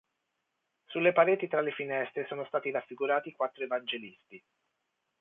Sulle pareti tra le finestre sono stati raffigurati i quattro evangelisti.